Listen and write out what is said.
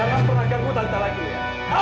jangan pernah ganggu talitha lagi ya